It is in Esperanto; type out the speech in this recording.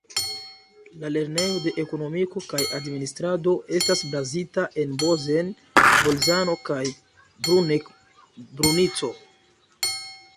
La Lernejo de Ekonomiko kaj administrado estas bazita en Bozen-Bolzano kaj Bruneck-Brunico.